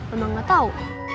emang gak tau